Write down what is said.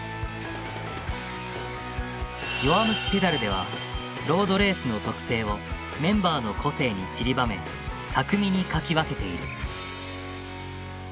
「弱虫ペダル」ではロードレースの特性をメンバーの個性にちりばめ巧みに描き分けている。